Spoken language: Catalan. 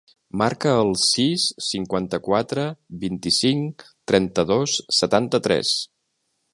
Marca el sis, cinquanta-quatre, vint-i-cinc, trenta-dos, setanta-tres.